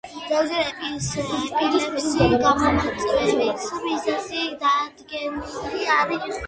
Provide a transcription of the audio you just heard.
ზოგჯერ ეპილეფსიის გამომწვევი მიზეზი დადგენილი არ არის.